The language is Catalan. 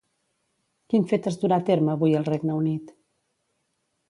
Quin fet es durà a terme avui al Regne Unit?